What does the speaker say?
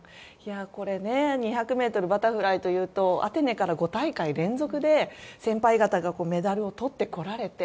２００ｍバタフライというとアテネから５大会連続で先輩方がメダルをとってこられて。